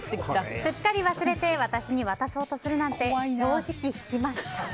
すっかり忘れて私に渡そうとするなんて正直引きました。